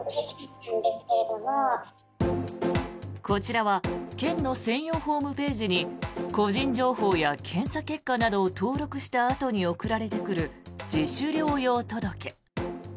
こちらは県の専用ホームページに個人情報や検査結果を登録したあとに送られてくる自主療養届。